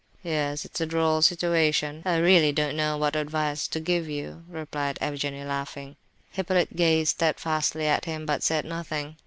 "Yes, it's a droll situation; I really don't know what advice to give you," replied Evgenie, laughing. Hippolyte gazed steadfastly at him, but said nothing.